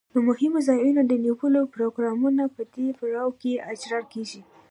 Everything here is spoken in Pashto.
د مهمو ځایونو د نیولو پروګرامونه په دې پړاو کې اجرا کیږي.